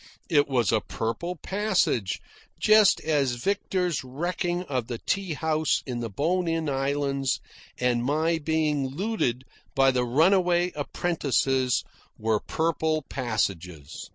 It was a purple passage, just as Victor's wrecking of the tea house in the Bonin Islands and my being looted by the runaway apprentices were purple passages.